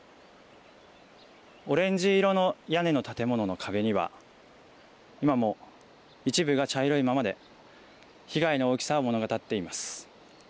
オレンジ色の屋根の建物の壁には、今も一部が茶色いままで、被害の大きさを物語っています。